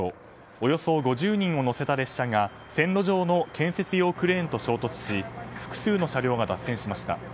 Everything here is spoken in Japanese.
およそ５０人を乗せた列車が線路上の建設用クレーンと衝突し複数の車両が脱線しました。